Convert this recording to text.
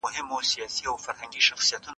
که پوهنتون اجازه ورکړي زه به خپل لارښود بدل کړم.